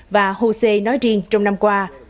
và hồ sê nói riêng trong năm qua